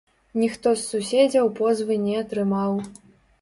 Ніхто з суседзяў позвы не атрымаў.